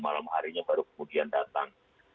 malam harinya baru kemudian datang